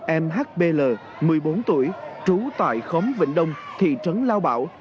em h b l một mươi bốn tuổi trú tại khóm vịnh đông thị trấn lao bảo